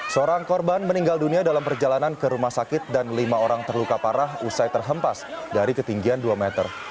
seorang korban meninggal dunia dalam perjalanan ke rumah sakit dan lima orang terluka parah usai terhempas dari ketinggian dua meter